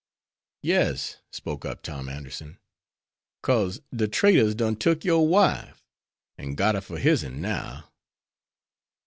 "Yes," spoke up Tom Anderson, "'cause de trader's done took your wife, an' got her for his'n now."